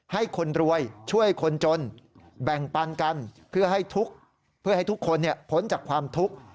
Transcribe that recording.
ให้คนรวยช่วยคนจนแบ่งปันกันเพื่อให้ทุกข์พ้นจากความทุกข์